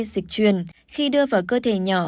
dịch truyền khi đưa vào cơ thể nhỏ